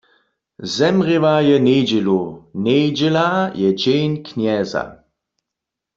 Zemrěła je njedźelu, njedźela je dźeń Knjeza.